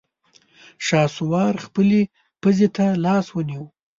شهسوار خپلې پزې ته لاس ونيو.